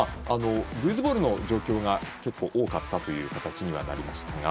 ルーズボールの状況が結構多かったという形ですが。